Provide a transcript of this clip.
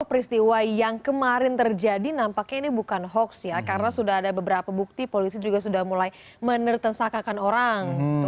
peristiwa yang kemarin terjadi nampaknya ini bukan hoax ya karena sudah ada beberapa bukti polisi juga sudah mulai menertesakakan orang